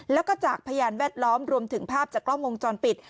แล้วก็จากพยานแวดล้อมรวมถึงภาพจากกล้องวงจรปิด